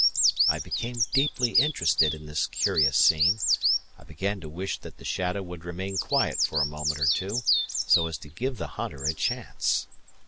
I became deeply interested in this curious scene; I began to wish that the shadow would remain quiet for a moment or two, so as to give the hunter a chance.